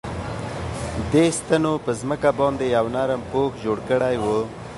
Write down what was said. دې ستنو په ځمکه باندې یو نرم پوښ جوړ کړی و